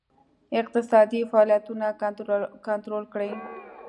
اقتصادي فعالیتونه کنټرول کړي.